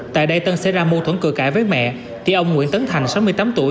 tại đây tân xảy ra mâu thuẫn cừ cãi với mẹ thì ông nguyễn tấn thành sáu mươi tám tuổi